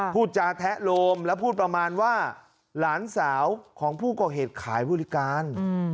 พูดจาแทะโลมแล้วพูดประมาณว่าหลานสาวของผู้ก่อเหตุขายบริการ